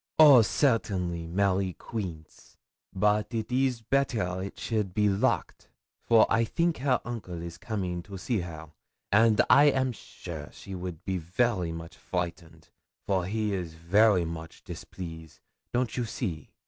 'Oh, certainly, Mary Queence; but it is better it shall be locked, for I think her uncle he is coming to see her, and I am sure she would be very much frightened, for he is very much displease, don't you see?